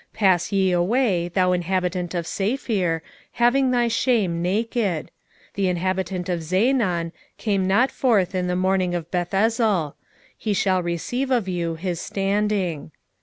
1:11 Pass ye away, thou inhabitant of Saphir, having thy shame naked: the inhabitant of Zaanan came not forth in the mourning of Bethezel; he shall receive of you his standing.